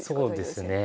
そうですね。